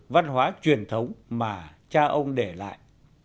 văn hóa truyền thống mà cha ông để lại